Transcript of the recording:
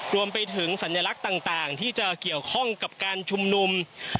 รวมไปถึงสัญลักษณ์ต่างที่จะเกี่ยวข้องกับการชุมนุม